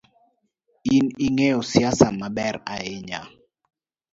In ingeyo siasa maber ahinya.